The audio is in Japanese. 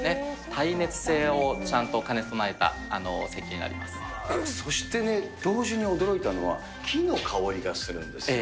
耐熱性をちゃんと兼ね備えそしてね、同時に驚いたのは、木の香りがするんですね。